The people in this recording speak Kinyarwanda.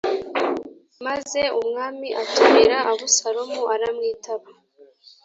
maze umwami atumira Abusalomu, aramwitaba.